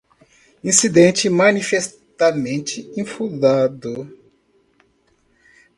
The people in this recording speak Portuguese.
incidente manifestamente infundado